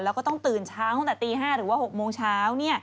แล้วก็ต้องตื่นเช้าตั้งแต่ตี๕หรือว่า๖โมงเช้า